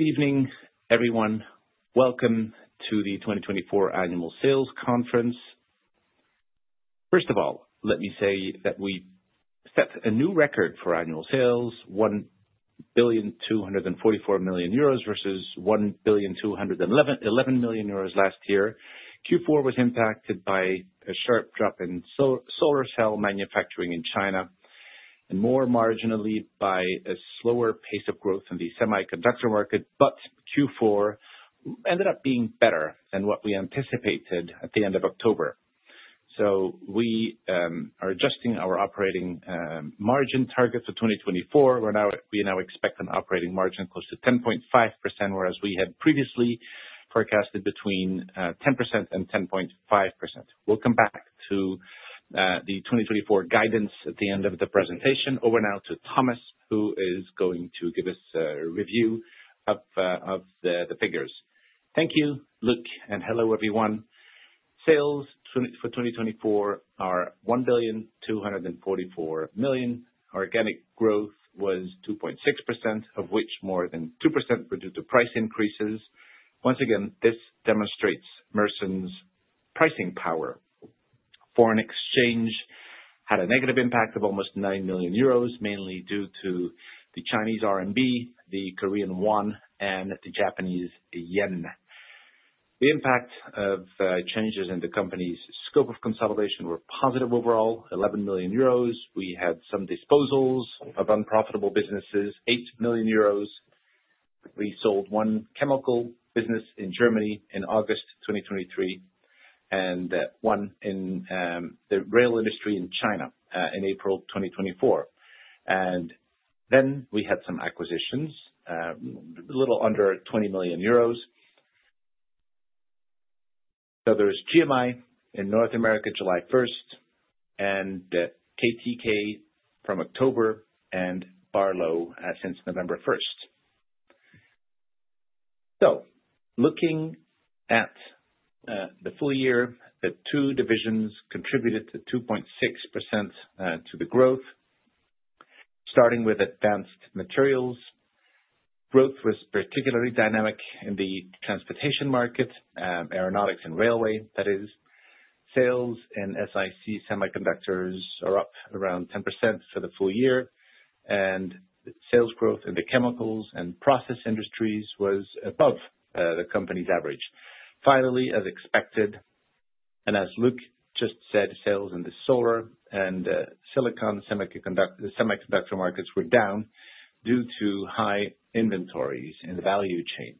Good evening, everyone. Welcome to the 2024 Annual Sales Conference. First of all, let me say that we set a new record for annual sales: 1,244 million euros versus 1,211 million euros last year. Q4 was impacted by a sharp drop in solar cell manufacturing in China and, more marginally, by a slower pace of growth in the semiconductor market. But Q4 ended up being better than what we anticipated at the end of October. So we are adjusting our operating margin target for 2024. We now expect an operating margin close to 10.5%, whereas we had previously forecasted between 10% and 10.5%. We'll come back to the 2024 guidance at the end of the presentation. Over now to Thomas, who is going to give us a review of the figures. Thank you, Luc, and hello, everyone. Sales for 2024 are 1,244 million. Organic growth was 2.6%, of which more than 2% were due to price increases. Once again, this demonstrates Mersen's pricing power. Foreign exchange had a negative impact of almost 9 million euros, mainly due to the Chinese RMB, the Korean won, and the Japanese yen. The impact of changes in the company's scope of consolidation were positive overall: 11 million euros. We had some disposals of unprofitable businesses: 8 million euros. We sold one chemical business in Germany in August 2023 and one in the rail industry in China in April 2024. And then we had some acquisitions, a little under 20 million euros. So there's GMI in North America July 1st and KPK from October and Barlow since November 1st. So looking at the full year, the two divisions contributed to 2.6% to the growth, starting with Advanced Materials. Growth was particularly dynamic in the transportation market, aeronautics and railway, that is. Sales in SiC semiconductors are up around 10% for the full year, and sales growth in the chemicals and process industries was above the company's average. Finally, as expected, and as Luc just said, sales in the solar and silicon semiconductor markets were down due to high inventories in the value chain.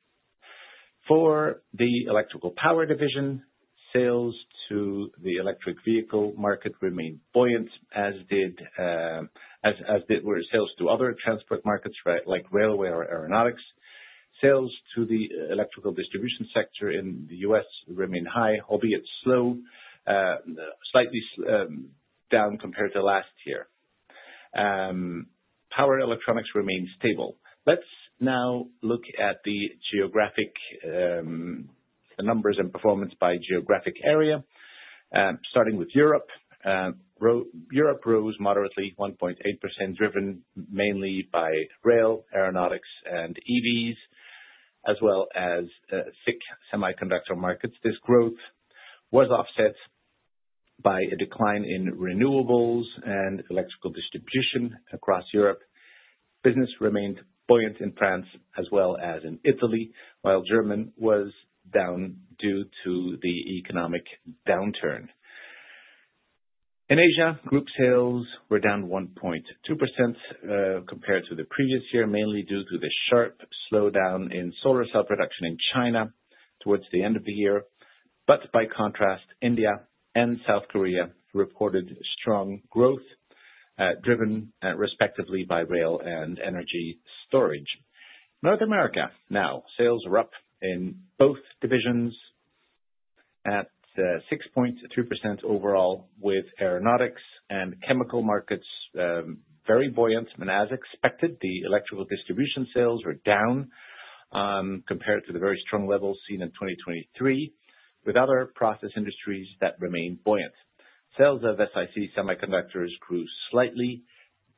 For the Electrical Power division, sales to the electric vehicle market remained buoyant, as did sales to other transport markets like railway or aeronautics. Sales to the electrical distribution sector in the U.S. remained high, albeit slow, slightly down compared to last year. Power electronics remained stable. Let's now look at the numbers and performance by geographic area, starting with Europe. Europe rose moderately, 1.8%, driven mainly by rail, aeronautics, and EVs, as well as SiC semiconductor markets. This growth was offset by a decline in renewables and electrical distribution across Europe. Business remained buoyant in France as well as in Italy, while Germany was down due to the economic downturn. In Asia, group sales were down 1.2% compared to the previous year, mainly due to the sharp slowdown in solar cell production in China towards the end of the year. But by contrast, India and South Korea reported strong growth, driven respectively by rail and energy storage. North America now, sales are up in both divisions at 6.2% overall, with aeronautics and chemical markets very buoyant, and as expected, the electrical distribution sales were down compared to the very strong levels seen in 2023, with other process industries that remained buoyant. Sales of SiC semiconductors grew slightly,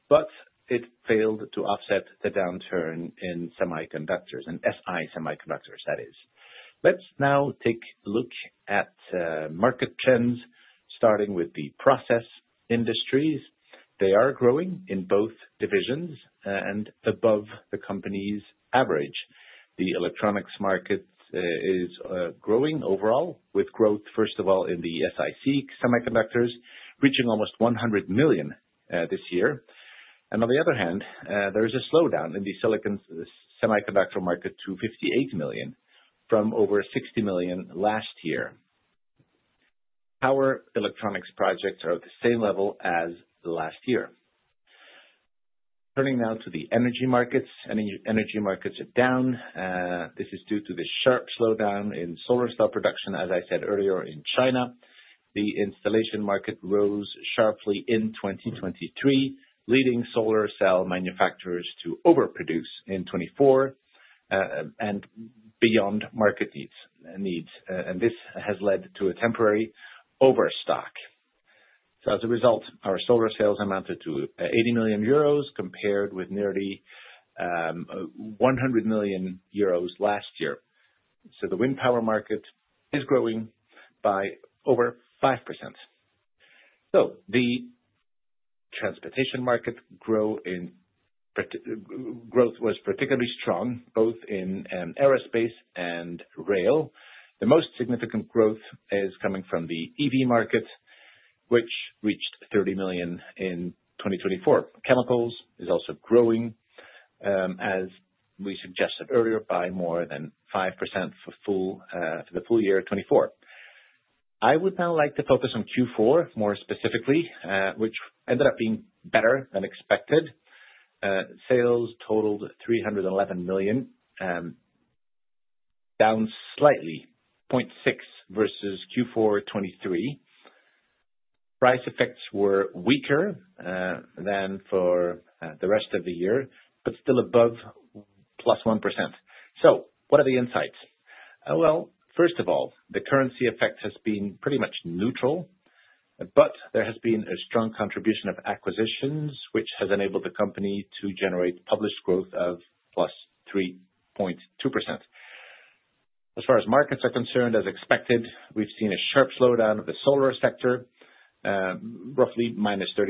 but it failed to offset the downturn in semiconductors and Si semiconductors, that is. Let's now take a look at market trends, starting with the process industries. They are growing in both divisions and above the company's average. The electronics market is growing overall, with growth, first of all, in the SiC semiconductors, reaching almost 100 million this year, and on the other hand, there is a slowdown in the silicon semiconductor market to 58 million from over 60 million last year. Power electronics projects are at the same level as last year. Turning now to the energy markets, energy markets are down. This is due to the sharp slowdown in solar cell production, as I said earlier, in China. The installation market rose sharply in 2023, leading solar cell manufacturers to overproduce in 2024 and beyond market needs, and this has led to a temporary overstock, so as a result, our solar sales amounted to 80 million euros compared with nearly 100 million euros last year, so the wind power market is growing by over 5%. The transportation market growth was particularly strong, both in aerospace and rail. The most significant growth is coming from the EV market, which reached 30 million in 2024. Chemicals is also growing, as we suggested earlier, by more than 5% for the full year 2024. I would now like to focus on Q4 more specifically, which ended up being better than expected. Sales totaled 311 million, down slightly, 0.6% versus Q4 2023. Price effects were weaker than for the rest of the year, but still above +1%. So what are the insights? Well, first of all, the currency effect has been pretty much neutral, but there has been a strong contribution of acquisitions, which has enabled the company to generate published growth of +3.2%. As far as markets are concerned, as expected, we've seen a sharp slowdown of the solar sector, roughly minus 30%,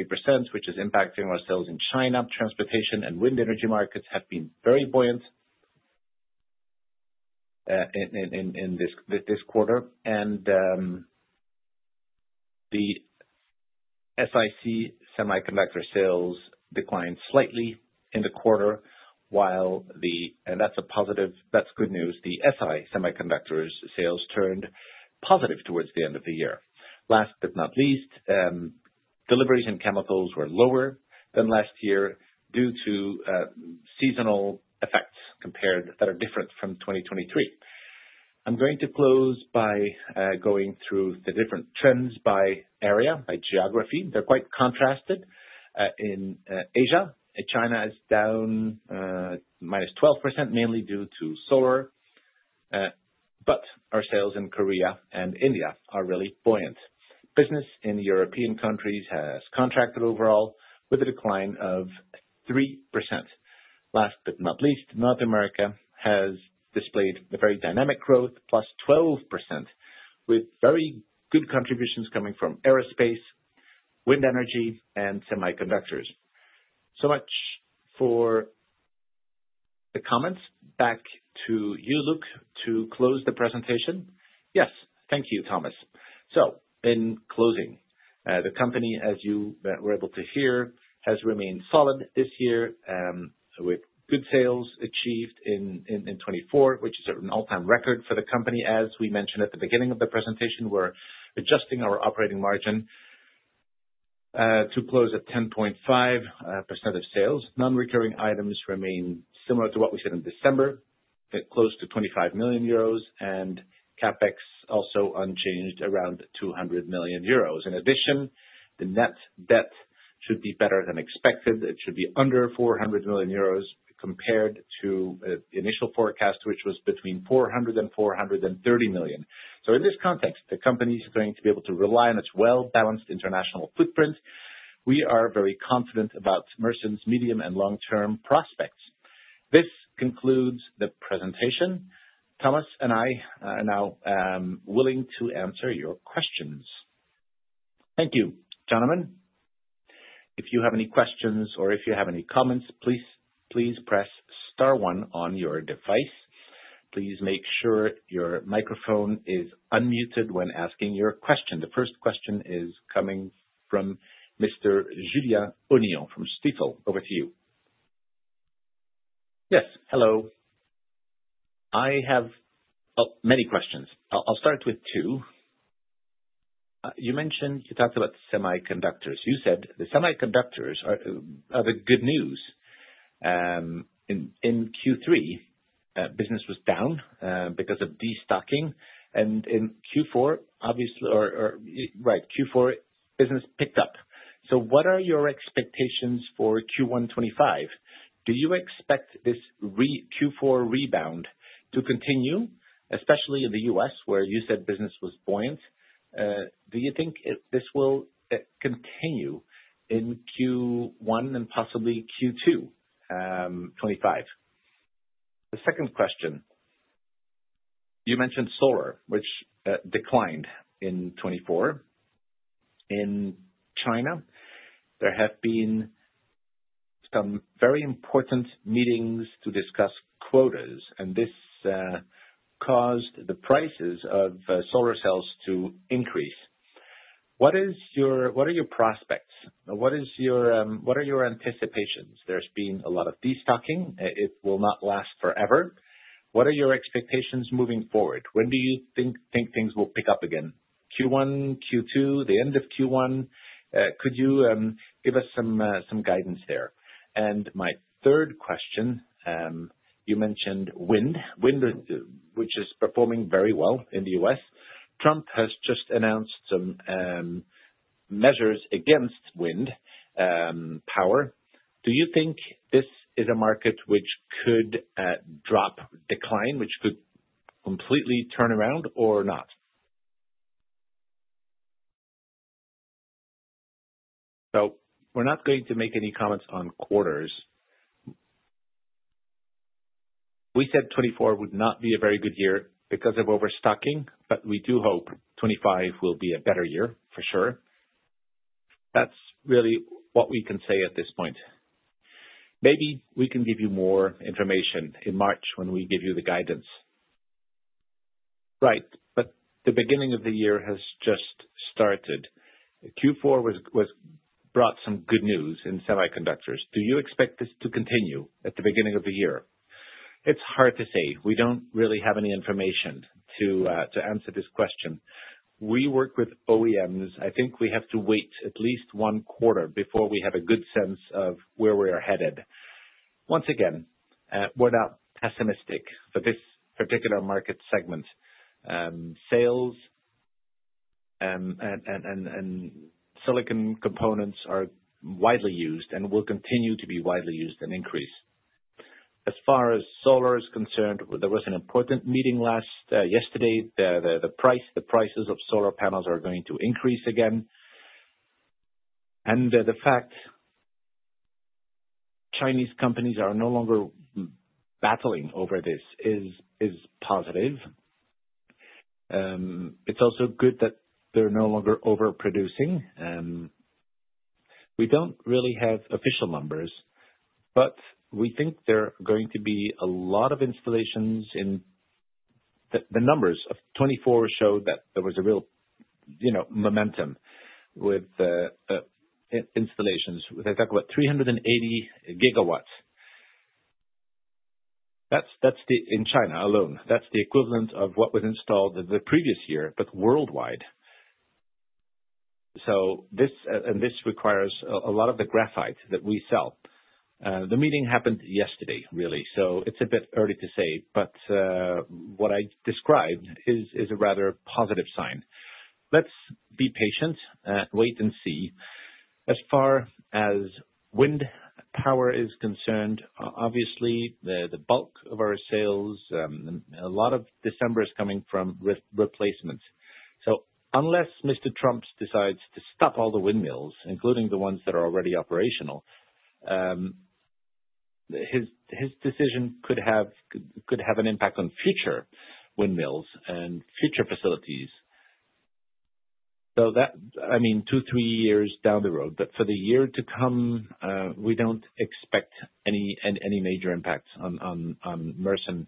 which is impacting our sales in China. Transportation and wind energy markets have been very buoyant in this quarter. And the SiC semiconductor sales declined slightly in the quarter, while the, and that's a positive, that's good news, the SiC semiconductor sales turned positive towards the end of the year. Last but not least, deliveries in chemicals were lower than last year due to seasonal effects that are different from 2023. I'm going to close by going through the different trends by area, by geography. They're quite contrasted. In Asia, China is down minus 12%, mainly due to solar. But our sales in Korea and India are really buoyant. Business in European countries has contracted overall, with a decline of 3%. Last but not least, North America has displayed a very dynamic growth, +12%, with very good contributions coming from aerospace, wind energy, and semiconductors. So much for the comments. Back to you, Luc, to close the presentation. Yes, thank you, Thomas. So in closing, the company, as you were able to hear, has remained solid this year, with good sales achieved in 2024, which is an all-time record for the company. As we mentioned at the beginning of the presentation, we're adjusting our operating margin to close at 10.5% of sales. Non-recurring items remain similar to what we said in December, close to 25 million euros, and CapEx also unchanged around 200 million euros. In addition, the net debt should be better than expected. It should be under 400 million euros compared to the initial forecast, which was between 400 million and 430 million. So in this context, the company is going to be able to rely on its well-balanced international footprint. We are very confident about Mersen's medium and long-term prospects. This concludes the presentation. Thomas and I are now willing to answer your questions. Thank you, gentlemen. If you have any questions or if you have any comments, please press star one on your device. Please make sure your microphone is unmuted when asking your question. The first question is coming from Mr. Julien Onillon from Stifel. Over to you. Yes, hello. I have many questions. I'll start with two. You talked about semiconductors. You said the semiconductors are the good news. In Q3, business was down because of destocking. And in Q4, obviously, right, Q4 business picked up. So what are your expectations for Q1 2025? Do you expect this Q4 rebound to continue, especially in the U.S., where you said business was buoyant? Do you think this will continue in Q1 and possibly Q2 2025? The second question, you mentioned solar, which declined in 2024. In China, there have been some very important meetings to discuss quotas, and this caused the prices of solar cells to increase. What are your prospects? What are your anticipations? There's been a lot of destocking. It will not last forever. What are your expectations moving forward? When do you think things will pick up again? Q1, Q2, the end of Q1? Could you give us some guidance there? And my third question, you mentioned wind, which is performing very well in the U.S. Trump has just announced some measures against wind power. Do you think this is a market which could drop, decline, which could completely turn around, or not? So we're not going to make any comments on quarters. We said 2024 would not be a very good year because of overstocking, but we do hope 2025 will be a better year, for sure. That's really what we can say at this point. Maybe we can give you more information in March when we give you the guidance. Right, but the beginning of the year has just started. Q4 brought some good news in semiconductors. Do you expect this to continue at the beginning of the year? It's hard to say. We don't really have any information to answer this question. We work with OEMs. I think we have to wait at least one quarter before we have a good sense of where we are headed. Once again, we're not pessimistic for this particular market segment. Sales and silicon components are widely used and will continue to be widely used and increase. As far as solar is concerned, there was an important meeting yesterday. The prices of solar panels are going to increase again. The fact Chinese companies are no longer battling over this is positive. It's also good that they're no longer overproducing. We don't really have official numbers, but we think there are going to be a lot of installations. The numbers of 2024 showed that there was a real momentum with installations. They talk about 380 GW. That's in China alone. That's the equivalent of what was installed the previous year, but worldwide. This requires a lot of the graphite that we sell. The meeting happened yesterday, really, so it's a bit early to say, but what I described is a rather positive sign. Let's be patient, wait, and see. As far as wind power is concerned, obviously, the bulk of our sales, a lot of December is coming from replacements. So unless Mr. Trump decides to stop all the windmills, including the ones that are already operational, his decision could have an impact on future windmills and future facilities. So I mean, two, three years down the road, but for the year to come, we don't expect any major impacts on Mersen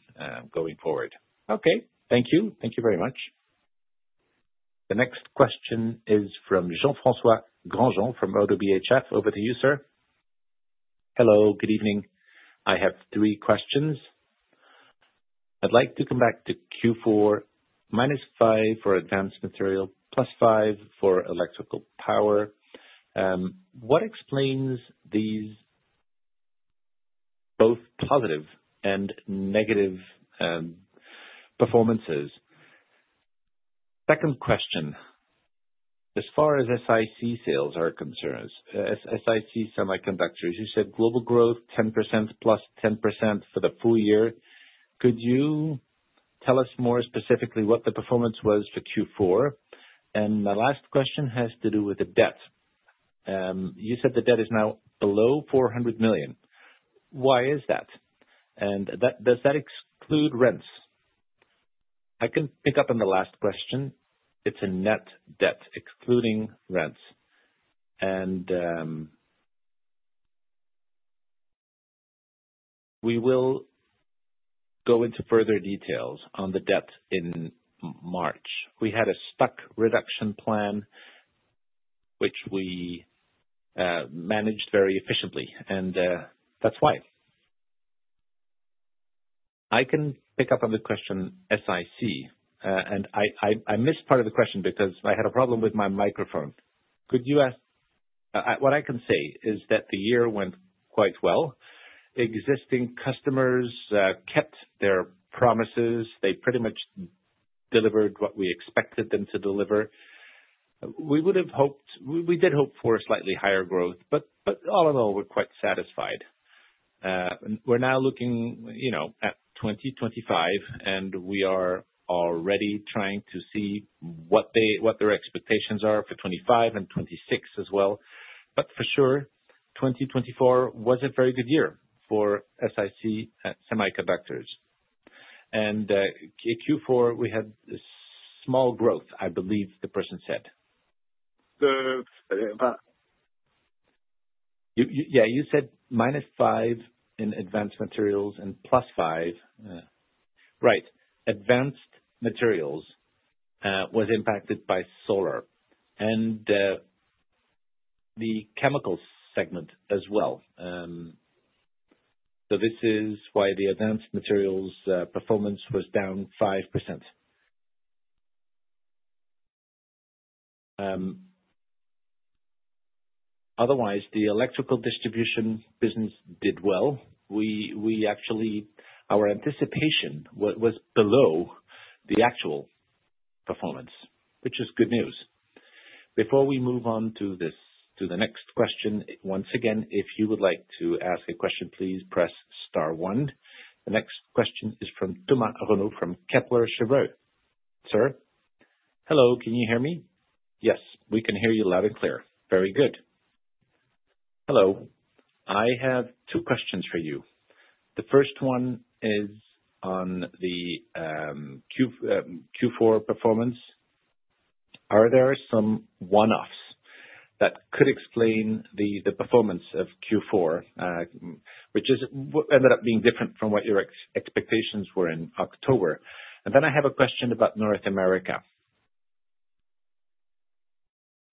going forward. Okay, thank you. Thank you very much. The next question is from Jean-François Granjon from ODDO BHF. Over to you, sir. Hello, good evening. I have three questions. I'd like to come back to Q4 -5 for Advanced Materials, +5 for Electrical Power. What explains these both positive and negative performances? Second question, as far as SiC sales are concerned, SiC semiconductors, you said global growth 10%, +10% for the full year. Could you tell us more specifically what the performance was for Q4? And the last question has to do with the debt. You said the debt is now below 400 million. Why is that? And does that exclude rents? I can pick up on the last question. It's a net debt, excluding rents. And we will go into further details on the debt in March. We had a stock reduction plan, which we managed very efficiently, and that's why. I can pick up on the question SiC, and I missed part of the question because I had a problem with my microphone. What I can say is that the year went quite well. Existing customers kept their promises. They pretty much delivered what we expected them to deliver. We did hope for a slightly higher growth, but all in all, we're quite satisfied. We're now looking at 2025, and we are already trying to see what their expectations are for 2025 and 2026 as well. But for sure, 2024 was a very good year for SiC semiconductors. And Q4, we had small growth, I believe the person said. Yeah, you said -5% in Advanced Materials and +5%. Right. Advanced materials was impacted by solar and the chemicals segment as well. So this is why the Advanced Materials performance was down 5%. Otherwise, the electrical distribution business did well. Our anticipation was below the actual performance, which is good news. Before we move on to the next question, once again, if you would like to ask a question, please press star one. The next question is from Thomas Renaud from Kepler Cheuvreux. Sir, hello, can you hear me? Yes, we can hear you loud and clear. Very good. Hello. I have two questions for you. The first one is on the Q4 performance. Are there some one-offs that could explain the performance of Q4, which ended up being different from what your expectations were in October? And then I have a question about North America.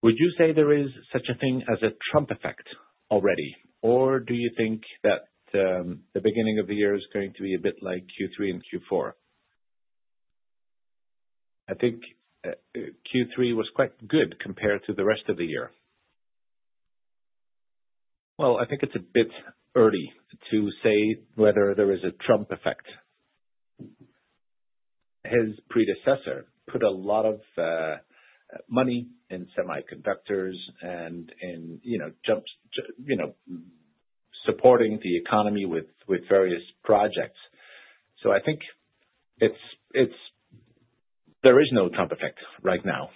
Would you say there is such a thing as a Trump effect already, or do you think that the beginning of the year is going to be a bit like Q3 and Q4? I think Q3 was quite good compared to the rest of the year. Well, I think it's a bit early to say whether there is a Trump effect. His predecessor put a lot of money in semiconductors and in supporting the economy with various projects. So I think there is no Trump effect right now.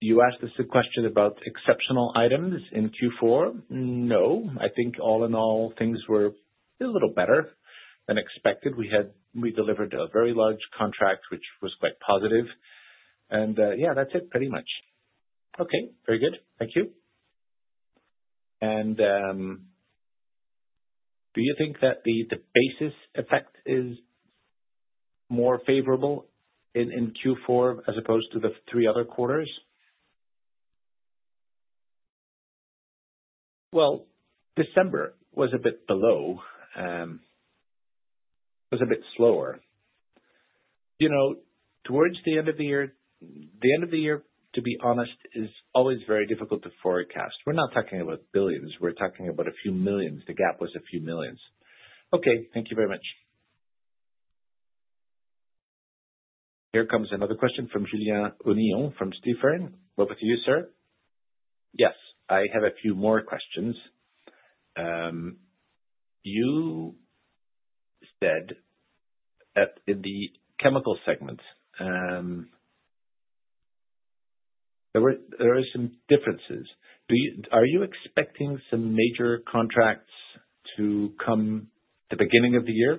You asked us a question about exceptional items in Q4. No. I think all in all, things were a little better than expected. We delivered a very large contract, which was quite positive. And yeah, that's it, pretty much. Okay, very good. Thank you. And do you think that the basis effect is more favorable in Q4 as opposed to the three other quarters? Well, December was a bit below, was a bit slower. Towards the end of the year, the end of the year, to be honest, is always very difficult to forecast. We're not talking about billions. We're talking about a few millions. The gap was a few millions. Okay, thank you very much. Here comes another question from Julien Onillon from Stifel. Over to you, sir. Yes, I have a few more questions. You said that in the chemical segment, there are some differences. Are you expecting some major contracts to come the beginning of the year?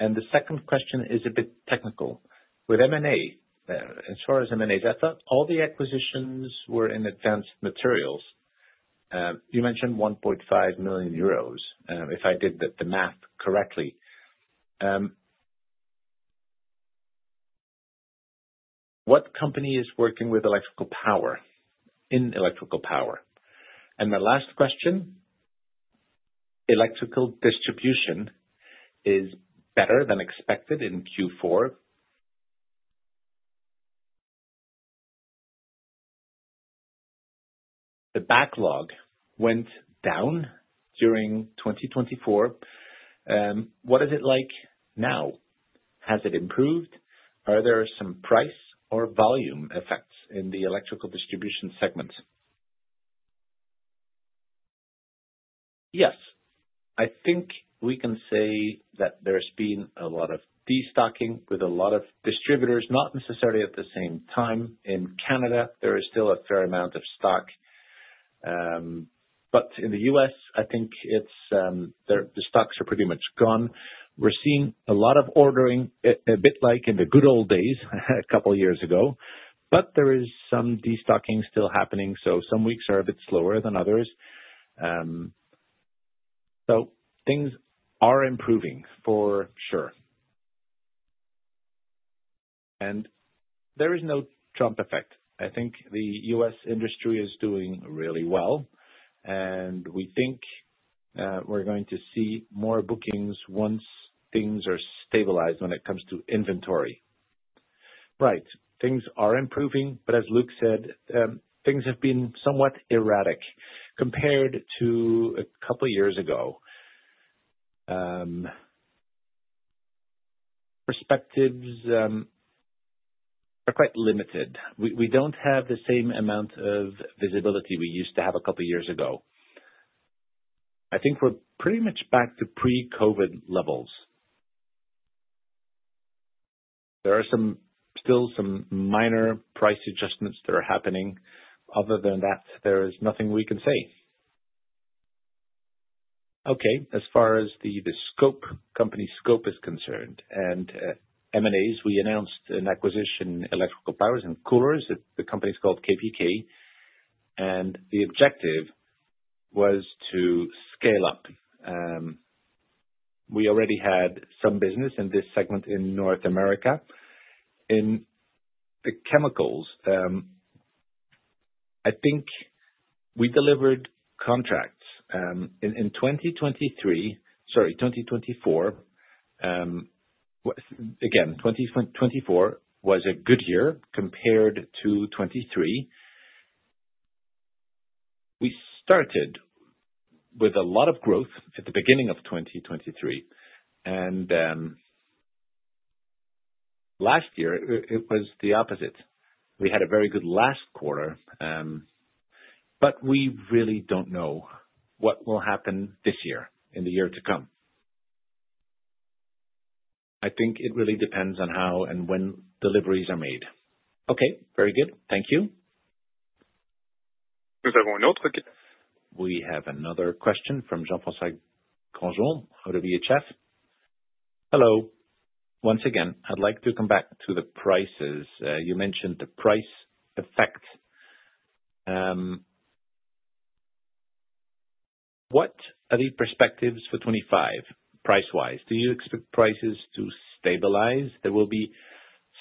And the second question is a bit technical. With M&A, as far as M&A, I thought all the acquisitions were in Advanced Materials. You mentioned 1.5 million euros if I did the math correctly. What company is working with Electrical Power in Electrical Power? And the last question, electrical distribution is better than expected in Q4? The backlog went down during 2024. What is it like now? Has it improved? Are there some price or volume effects in the electrical distribution segment? Yes, I think we can say that there's been a lot of destocking with a lot of distributors, not necessarily at the same time. In Canada, there is still a fair amount of stock. But in the U.S., I think the stocks are pretty much gone. We're seeing a lot of ordering, a bit like in the good old days a couple of years ago, but there is some destocking still happening, so some weeks are a bit slower than others, so things are improving for sure, and there is no Trump effect. I think the U.S. industry is doing really well, and we think we're going to see more bookings once things are stabilized when it comes to inventory. Right. Things are improving, but as Luke said, things have been somewhat erratic compared to a couple of years ago. Perspectives are quite limited. We don't have the same amount of visibility we used to have a couple of years ago. I think we're pretty much back to pre-COVID levels. There are still some minor price adjustments that are happening. Other than that, there is nothing we can say. Okay, as far as the company's scope is concerned, and M&As, we announced an acquisition, Electrical Power and Coolers. The company is called KPK, and the objective was to scale up. We already had some business in this segment in North America. In the chemicals, I think we delivered contracts in 2024. Again, 2024 was a good year compared to 2023. We started with a lot of growth at the beginning of 2023, and last year, it was the opposite. We had a very good last quarter, but we really don't know what will happen this year and the year to come. I think it really depends on how and when deliveries are made. Okay, very good. Thank you. Nous avons une autre question. We have another question from Jean-François Granjon of ODDO BHF. Hello. Once again, I'd like to come back to the prices. You mentioned the price effect. What are the perspectives for 2025, price-wise? Do you expect prices to stabilize? There will be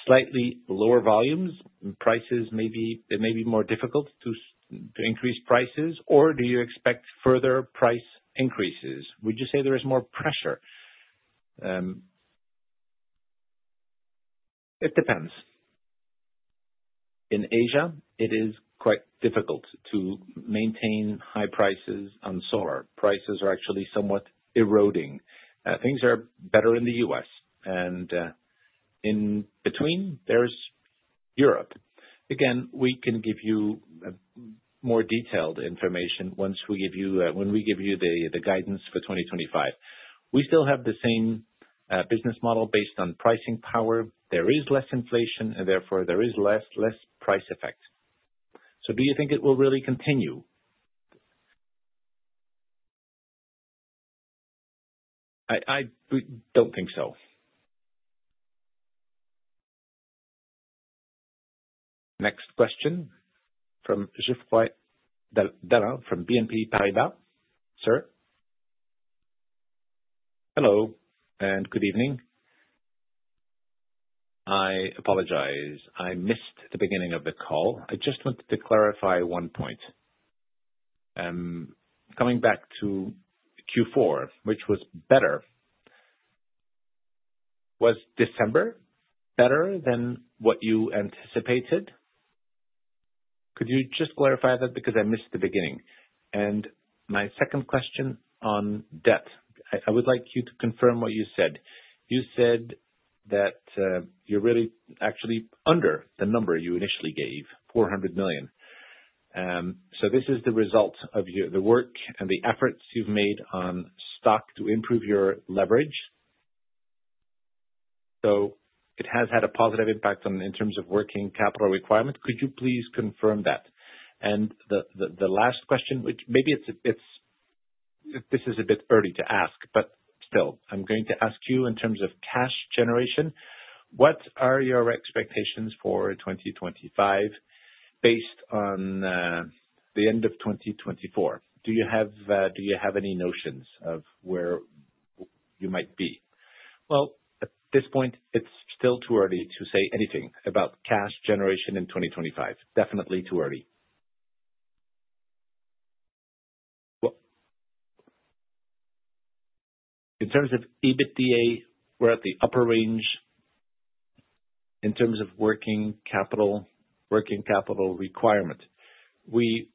slightly lower volumes, and prices may be more difficult to increase prices, or do you expect further price increases? Would you say there is more pressure? It depends. In Asia, it is quite difficult to maintain high prices on solar. Prices are actually somewhat eroding. Things are better in the U.S., and in between, there's Europe. Again, we can give you more detailed information once we give you the guidance for 2025. We still have the same business model based on pricing power. There is less inflation, and therefore, there is less price effect. So do you think it will really continue? I don't think so. Next question from BNP Paribas. Sir? Hello and good evening. I apologize. I missed the beginning of the call. I just wanted to clarify one point. Coming back to Q4, which was better, was December better than what you anticipated? Could you just clarify that because I missed the beginning? And my second question on debt, I would like you to confirm what you said. You said that you're really actually under the number you initially gave, 400 million. So this is the result of the work and the efforts you've made on stock to improve your leverage. So it has had a positive impact in terms of working capital requirements. Could you please confirm that? And the last question, which maybe this is a bit early to ask, but still, I'm going to ask you in terms of cash generation. What are your expectations for 2025 based on the end of 2024? Do you have any notions of where you might be? At this point, it's still too early to say anything about cash generation in 2025. Definitely too early. In terms of EBITDA, we're at the upper range. In terms of working capital requirement, we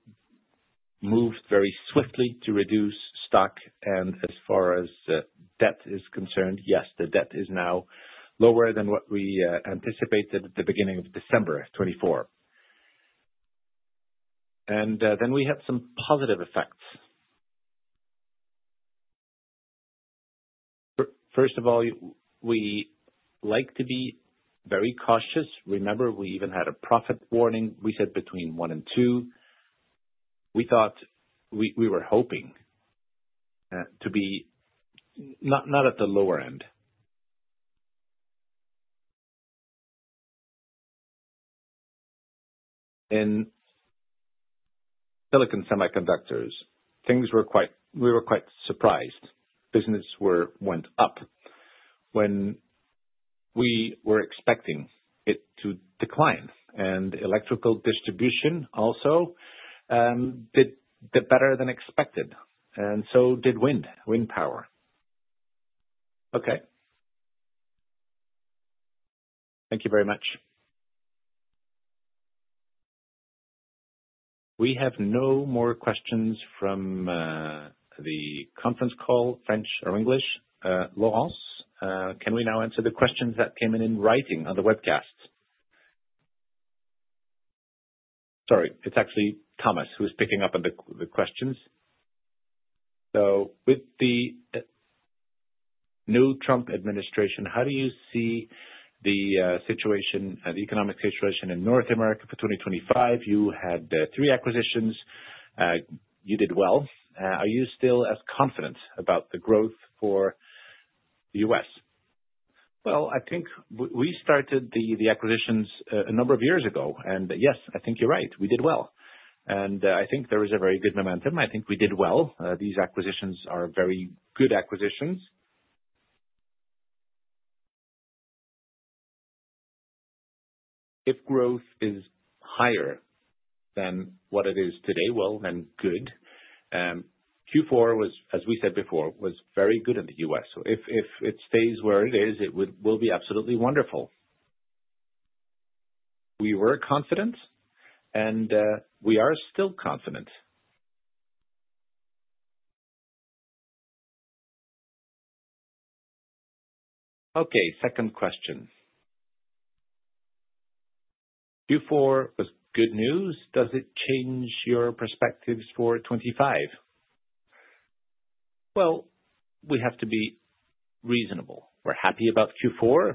moved very swiftly to reduce stock. As far as debt is concerned, yes, the debt is now lower than what we anticipated at the beginning of December 2024. We had some positive effects. First of all, we like to be very cautious. Remember, we even had a profit warning. We said between one and two. We thought we were hoping to be not at the lower end. In silicon semiconductors, we were quite surprised. Business went up when we were expecting it to decline. And electrical distribution also did better than expected, and so did wind power. Okay. Thank you very much. We have no more questions from the conference call, French or English. Laurence, can we now answer the questions that came in in writing on the webcast? Sorry, it's actually Thomas who is picking up on the questions. So with the new Trump administration, how do you see the economic situation in North America for 2025? You had three acquisitions. You did well. Are you still as confident about the growth for the U.S.? Well, I think we started the acquisitions a number of years ago, and yes, I think you're right. We did well. And I think there is a very good momentum. I think we did well. These acquisitions are very good acquisitions. If growth is higher than what it is today, well, then good. Q4, as we said before, was very good in the U.S. So if it stays where it is, it will be absolutely wonderful. We were confident, and we are still confident. Okay, second question. Q4 was good news. Does it change your perspectives for 2025? Well, we have to be reasonable. We're happy about Q4,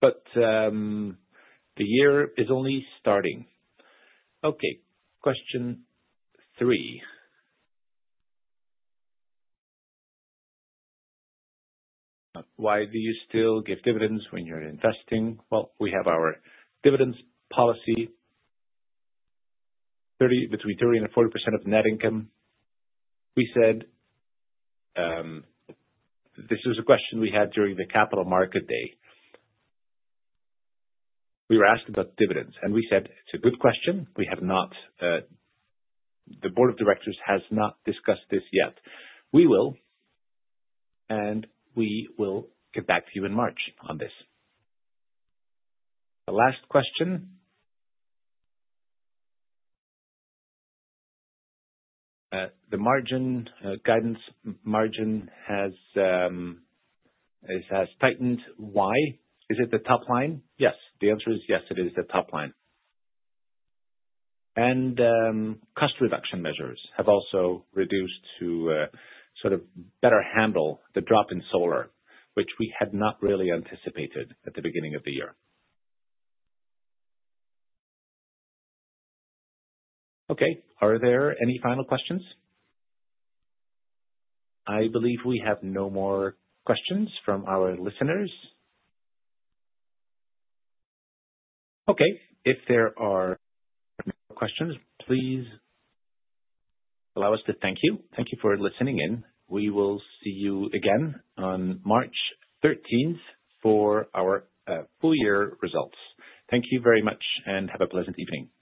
but the year is only starting. Okay, question three. Why do you still give dividends when you're investing? Well, we have our dividends policy, between 30% and 40% of net income. This was a question we had during the capital market day. We were asked about dividends, and we said, "It's a good question. The board of directors has not discussed this yet." We will, and we will get back to you in March on this. The last question. The margin guidance margin has tightened. Why? Is it the top line? Yes, the answer is yes, it is the top line, and cost reduction measures have also reduced to sort of better handle the drop in solar, which we had not really anticipated at the beginning of the year. Okay, are there any final questions? I believe we have no more questions from our listeners. Okay, if there are no more questions, please allow us to thank you. Thank you for listening in. We will see you again on March 13th for our full-year results. Thank you very much, and have a pleasant evening. Bye-bye.